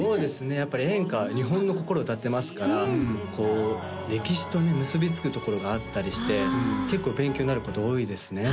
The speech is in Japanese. やっぱり演歌は日本の心を歌ってますからこう歴史とね結び付くところがあったりして結構勉強になること多いですね